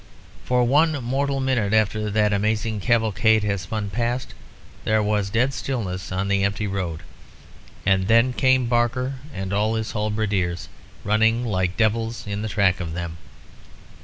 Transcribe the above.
For one mortal minute after that amazing cavalcade had spun past, there was dead stillness on the empty road. And then came Barker and all his halberdiers running like devils in the track of them.